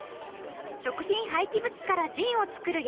食品廃棄物からジンを造る山口さん。